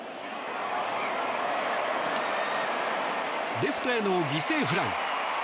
レフトへの犠牲フライ。